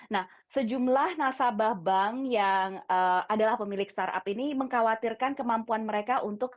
nah sejumlah nasabah bank yang adalah pemilik startup ini mengkhawatirkan kemampuan mereka untuk